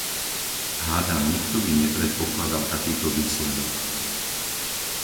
Hádam nikto by nepredpokladal takýto výsledok.